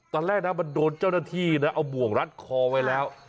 ตอนแรกนะมันโดนเจ้าหน้าที่นะเอาบ่วงรัดคอไว้แล้ว